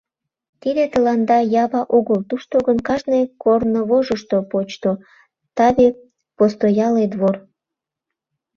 — Тиде тыланда Ява огыл, тушто гын кажне корнывожышто почто, таве, постоялый двор!